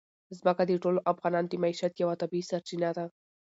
ځمکه د ټولو افغانانو د معیشت یوه طبیعي سرچینه ده.